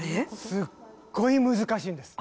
すっごい難しいんです。